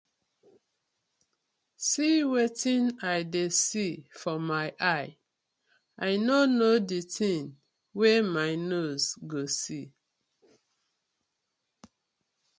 See wetin I dey see for my eye, I no no di tin wey my nose go see.